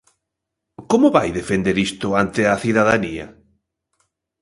Como vai defender isto ante a cidadanía?